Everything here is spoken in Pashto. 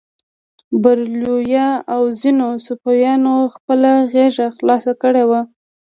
بریلویه او ځینو صوفیانو خپله غېږه خلاصه کړې وه.